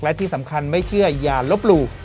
และที่สำคัญไม่เชื่ออย่าลบหลู่